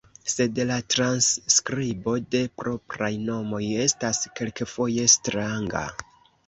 Sed la transskribo de propraj nomoj estas kelkfoje stranga.